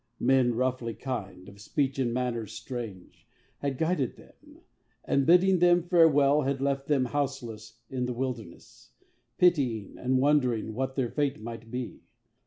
Men roughly kind, of speech and manners strange, Had guided them; and bidding them farewell, Had left them houseless in the wilderness, Pitying, and wondering what their fate might be.